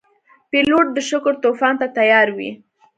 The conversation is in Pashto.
پیلوټ د شګو طوفان ته تیار وي.